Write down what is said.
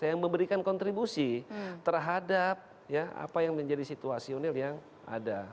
yang memberikan kontribusi terhadap ya apa yang menjadi situasi unil yang ada